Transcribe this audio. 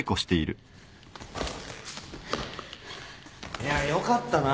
いやよかったな